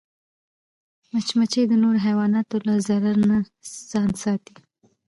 مچمچۍ د نورو حیواناتو له ضرر نه ځان ساتي